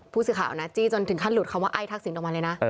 ผู้สื่อข่าวนะจี้จนถึงขั้นหลุดคำว่าไอ้ทักษิณออกมาเลยนะ